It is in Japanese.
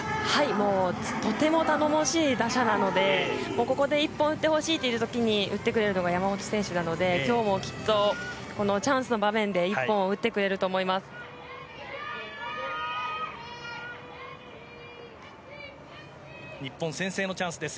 もうとても頼もしい打者なのでここで１本打ってほしいという時に打ってくれるのが山本選手なので、今日もきっとこのチャンスの場面で１本を打ってくれると思います。